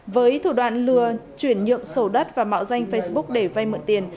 với thủ đoạn lừa chuyển nhượng sổ đất và mạo danh facebook để vay mượn tiền